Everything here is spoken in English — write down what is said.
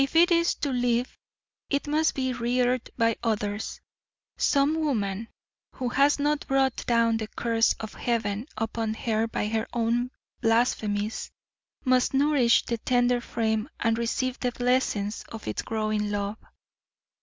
If it is to live it must be reared by others. Some woman who has not brought down the curse of Heaven upon her by her own blasphemies must nourish the tender frame and receive the blessing of its growing love.